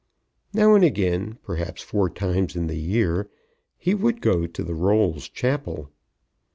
Now and again, perhaps four times in the year, he would go to the Rolls Chapel.